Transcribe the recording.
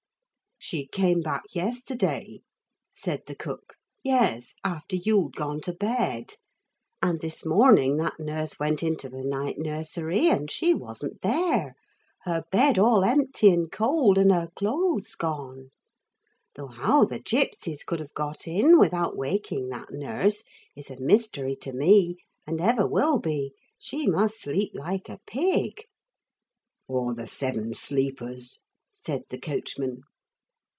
'She came back yesterday,' said the cook. 'Yes, after you'd gone to bed. And this morning that nurse went into the night nursery and she wasn't there. Her bed all empty and cold, and her clothes gone. Though how the gipsies could have got in without waking that nurse is a mystery to me and ever will be. She must sleep like a pig.' 'Or the seven sleepers,' said the coachman.